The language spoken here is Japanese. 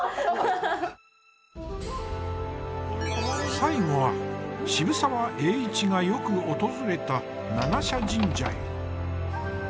最後は渋沢栄一がよく訪れた七社神社へ。